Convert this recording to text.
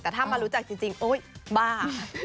แต่ถ้ามารู้จักจริงโอ๊ยบ้า